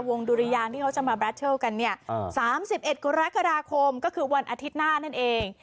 ดุริยางที่เขาจะมาแรตเทิลกันเนี่ย๓๑กรกฎาคมก็คือวันอาทิตย์หน้านั่นเอง